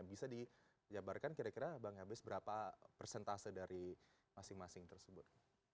bisa dijabarkan kira kira bang ebes berapa persentase dari masing masing tersebut